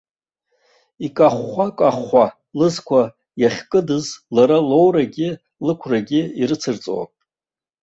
Икахәхәа-кахәхәа лызқәа иахькыдыз, лара лоурагьы лықәрагьы ирыцырҵон.